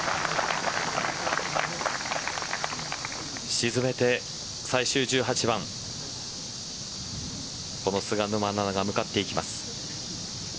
沈めて最終１８番この菅沼菜々が向かっていきます